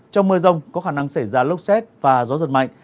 trong mưa rông có khả năng xảy ra lốc xét và gió giật mạnh